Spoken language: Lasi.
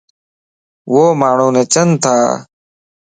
ووماڻھو نچن تا